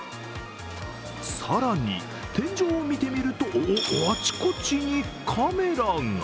更に天井を見てみるとおおっ、あちこちにカメラが。